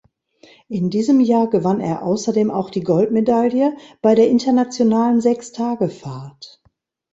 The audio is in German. In diesem Jahr gewann er außerdem auch die Goldmedaille bei der Internationalen Sechstagefahrt.